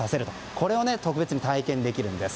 これを特別に体験できるんです。